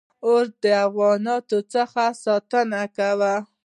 • اور د حیواناتو څخه ساتنه کوله.